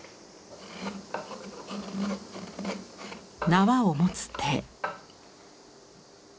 縄を持つ手。